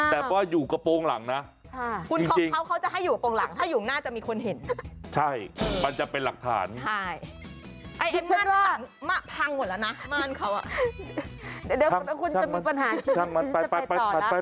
น่ะพังหมดละนะ